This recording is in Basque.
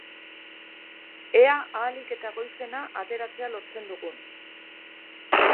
Ea ahalik eta goizena ateratzea lortzen dugun!